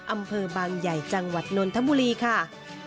อำเภอบางใหญ่จังหวัดนนทบุรีค่ะ